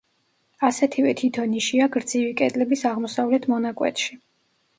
ასეთივე თითო ნიშია გრძივი კედლების აღმოსავლეთ მონაკვეთში.